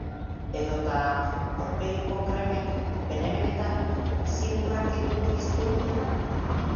Edota aurpegiko kremek, bene-benetan, zimurrak kenduko dizkigutela?